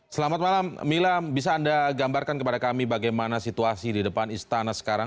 selamat malam mila bisa anda gambarkan kepada kami bagaimana situasi di depan istana sekarang